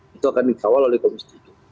itu akan dikawal oleh komisi tujuh